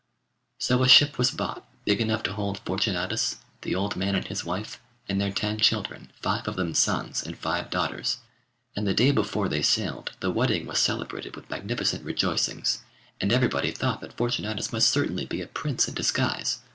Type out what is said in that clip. So a ship was bought big enough to hold Fortunatus, the old man and his wife, and their ten children five of them sons and five daughters. And the day before they sailed the wedding was celebrated with magnificent rejoicings, and everybody thought that Fortunatus must certainly be a prince in disguise.